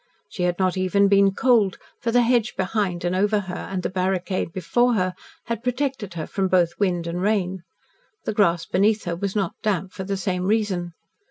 She had not even been cold, for the hedge behind and over her and the barricade before had protected her from both wind and rain. The grass beneath her was not damp for the same reason.